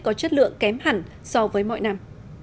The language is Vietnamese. có chất lượng kém hẳn so với mọi năm